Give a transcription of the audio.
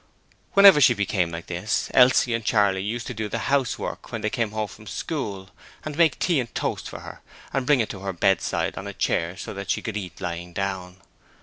Whenever she became like this, Elsie and Charley used to do the housework when they came home from school, and make tea and toast for her, and bring it to the bedside on a chair so that she could eat lying down.